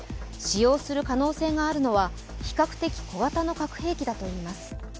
使用する可能性があるのは比較的小型の核兵器だといいます。